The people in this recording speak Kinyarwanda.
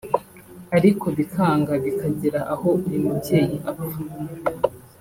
ariko bikanga bikagera aho uyu mubyeyi apfa